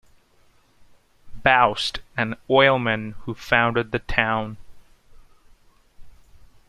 Boust, an oilman who founded the town.